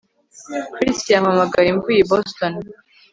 Chris yampamagaye mvuye i Boston